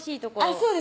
そうです